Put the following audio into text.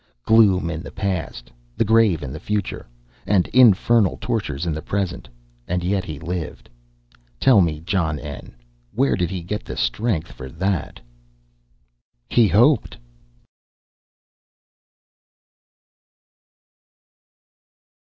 Gloom in the Past, the grave in the Future, and infernal tortures in the Present and yet he lived. Tell me, John N., where did he get the strength for that? He hoped.